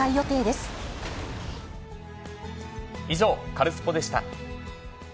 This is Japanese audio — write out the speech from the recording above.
以上、カルスポっ！でした。